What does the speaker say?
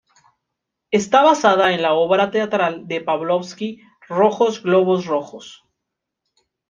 Está basada en la obra teatral de Pavlovsky "Rojos globos rojos".